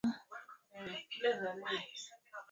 ni victor abuso na tukielekea huko burundi